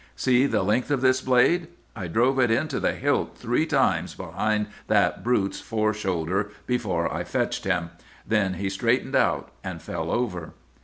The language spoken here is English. "'See the length of this blade? I drove it in to the hilt three times behind that brute's fore shoulder before I fetched him. Then he straightened out and fell over.